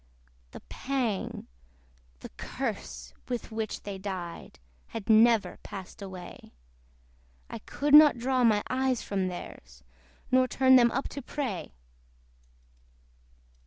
The pang, the curse, with which they died, Had never passed away: I could not draw my eyes from theirs, Nor turn them up to pray.